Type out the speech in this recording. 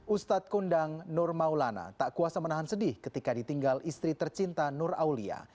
ustadz kondang nur maulana tak kuasa menahan sedih ketika ditinggal istri tercinta nur aulia